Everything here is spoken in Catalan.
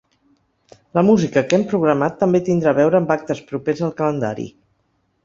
La música que hem programat també tindrà a veure amb actes propers al calendari.